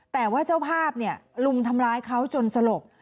แต่ว่าเจ้าภาพลุมทำร้ายเขาจนสลบ